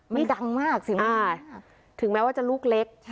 ดังมากสิว่าถึงแม้ว่าจะลูกเล็ก